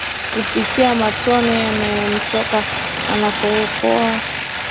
kupitia matone yanayomtoka anapokohoa